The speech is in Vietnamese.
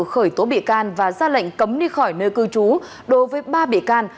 khởi tố bị can và ra lệnh cấm đi khỏi nơi cư trú đối với ba bị can